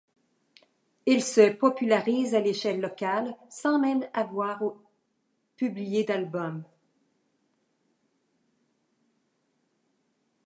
Ils se popularisent à l'échelle locale, sans même avoir publié d'album.